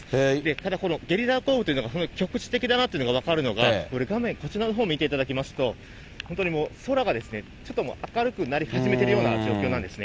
ただこのゲリラ豪雨というのが局地的だなっていうのが分かるのが、これ、画面、こちらのほう見ていただきますと、本当に空が明るくなり始めているような状況なんですね。